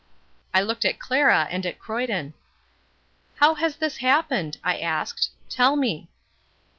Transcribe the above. I looked at Clara and at Croyden. "How has this happened?" I asked. "Tell me."